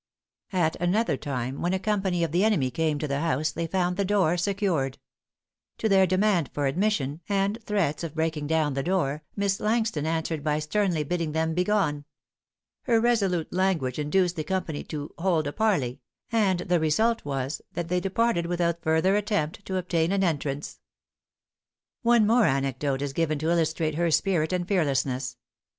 At another time when a company of the enemy came to the house they found the door secured. To their demand for admission and threats of breaking down the door, Miss Langston answered by sternly bidding them begone. Her resolute language induced the company to "hold a parley;" and the result was, that they departed without further attempt to obtain an entrance. One more anecdote is given to illustrate her spirit and fearlessness.